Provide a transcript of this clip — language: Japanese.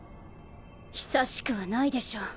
久しくはないでしょう。